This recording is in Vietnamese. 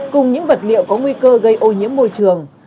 cùng những vật liệu có nguy cơ gây ô nhiễm môi trường